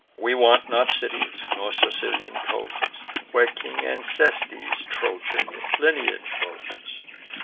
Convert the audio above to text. We want not cities, nor Sicilian coasts, Where King Acestes Trojan lineage boasts.